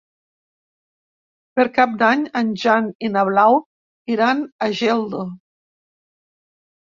Per Cap d'Any en Jan i na Blau iran a Geldo.